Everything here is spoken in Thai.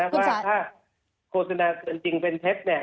ว่าถ้าโฆษณาเกินจริงเป็นเท็จ